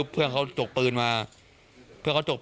พี่เขาลงมาจากรถ